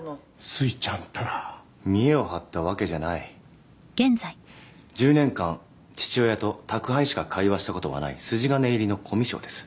すいちゃんったら見えを張ったわけじゃない１０年間父親と宅配しか会話したことがない筋金入りのコミュ障です